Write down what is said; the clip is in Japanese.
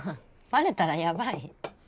バレたらやばい。